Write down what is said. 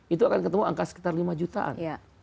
itu akan ketemu angka sekitar lima jutaan